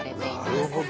なるほど！